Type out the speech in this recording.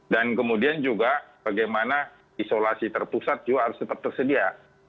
dan kemudian juga bagaimana isolasi terpusat juga harus tetap tersedia